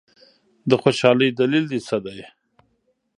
د خوشالۍ دلیل دي څه دی؟